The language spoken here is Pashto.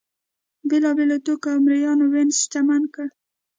بېلابېلو توکو او مریانو وینز شتمن کړ.